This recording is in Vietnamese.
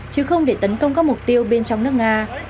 chứ không để tấn công các mục tiêu bên trong nước nga